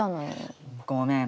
ごめん。